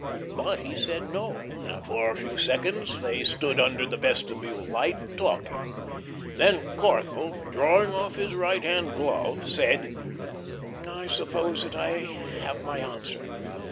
But he said no, and for a few seconds they stood under the vestibule light, talking. Then Corthell, drawing off his right hand glove, said: "I suppose that I have my answer.